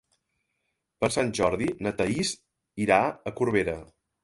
Per Sant Jordi na Thaís irà a Corbera.